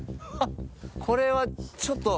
これはちょっと。